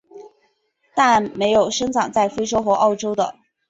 但没有生长在非洲和澳洲的。